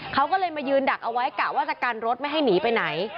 เขาก็เลยมายืนดักเอาไว้กะว่าจะกันรถไม่ให้หนีไปไหน